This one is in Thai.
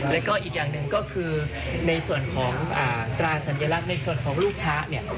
แล้วก็อีกอย่างหนึ่งก็คือในส่วนของตราสัญลักษณ์ในส่วนของลูกค้าเนี่ย